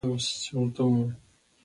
پکورې له لنډو خبرو سره جوړېږي